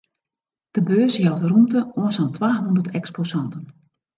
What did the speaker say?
De beurs jout rûmte oan sa'n twahûndert eksposanten.